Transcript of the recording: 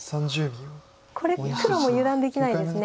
これ黒も油断できないです。